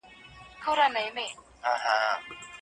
تغير ئې جواز نلري.